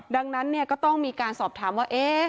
ดังนั้นก็ต้องมีการสอบถามว่า